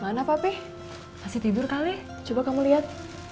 mana papih kasih tidur kali coba kamu lihat